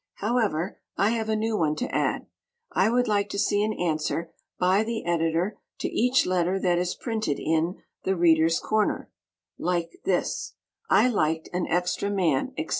However, I have a new one to add: I would like to see an answer, by the Editor, to each letter that is printed in "The Readers' Corner," like this: "I liked 'An Extra Man,' etc.